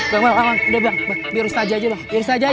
bang bang udah bang biar ustadz aja